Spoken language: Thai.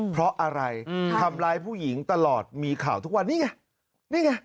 เพราะอะไรทำร้ายผู้หญิงตลอดมีข่าวทุกวันนี้ไงนี่ไง